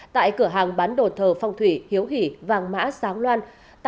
tại cửa hàng bán đồ thờ phong thủy hiếu hỉ vàng mã sáng loan